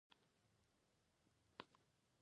ما په تړلو او بندو سترګو ورته ځواب ورکړ: د توپ په مرمۍ.